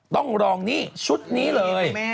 ต้องรองนี่ชุดนี้เลย